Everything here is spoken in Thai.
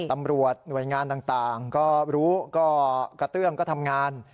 ตำรวจหน่วยงานต่างก็รู้ก็กระเตื้องก็ทำงาน